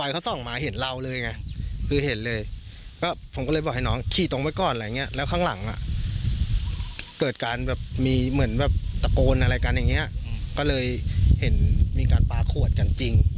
ใช่แล้วผมได้ยินเสียงปืนดังปั้งข้างหลัง